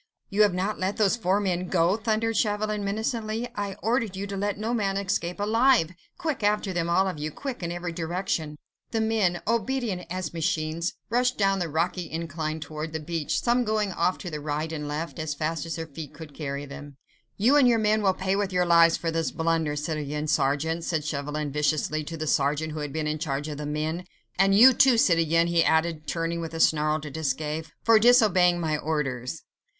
"You have not let those four men go?" thundered Chauvelin, menacingly. "I ordered you to let no man escape alive!—Quick, after them all of you! Quick, in every direction!" The men, obedient as machines, rushed down the rocky incline towards the beach, some going off to right and left, as fast as their feet could carry them. "You and your men will pay with your lives for this blunder, citoyen sergeant," said Chauvelin viciously to the sergeant who had been in charge of the men; "and you, too, citoyen," he added, turning with a snarl to Desgas, "for disobeying my orders."